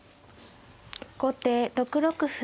後手６六歩。